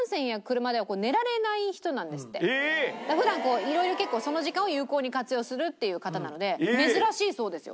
普段いろいろ結構その時間を有効に活用するっていう方なので珍しいそうですよ。